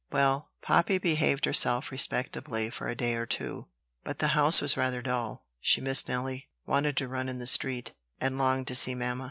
Well, Poppy behaved herself respectably for a day or two; but the house was rather dull, she missed Nelly, wanted to run in the street, and longed to see mamma.